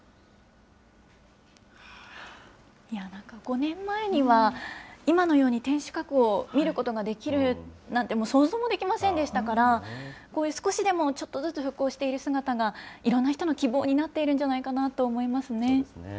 なんか、５年前には今のように天守閣を見ることができるなんて、想像もできませんでしたから、こういう、少しでもちょっとずつ復興している姿が、いろんな人の希望になっているんじゃないかなそうですね。